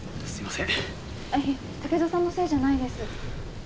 あいえ竹蔵さんのせいじゃないです。